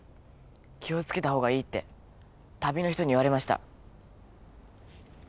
気をつけた方がいいって旅の人に言われました